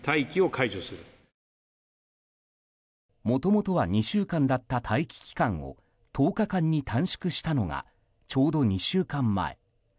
もともとは２週間だった待機期間を１０日間に短縮したのがちょうど２週間前。